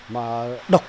mà đồng thời